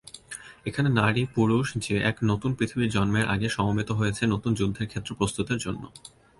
এখানে নারী-পুরুষ যে এক নতুন পৃথিবীর জন্মের আগে সমবেত হয়েছে নতুন যুদ্ধের ক্ষেত্র প্রস্তুতের জন্য।'